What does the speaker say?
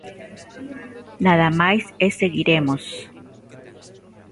Nada máis e seguiremos.